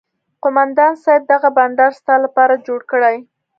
قومندان صايب دغه بنډار ستا لپاره جوړ کړى.